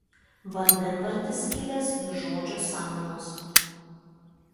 Vandenvardis kilęs nuo žodžio "samanos".